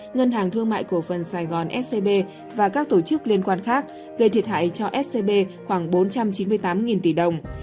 ngân hàng thương mại cổ phần sài gòn scb và các tổ chức liên quan khác gây thiệt hại cho scb khoảng bốn trăm chín mươi tám tỷ đồng